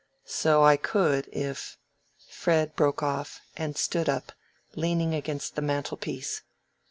"So I could, if—" Fred broke off, and stood up, leaning against the mantel piece.